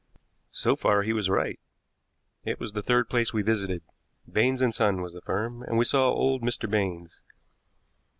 So far he was right. It was the third place we visited. Baines and Son was the firm, and we saw old Mr. Baines.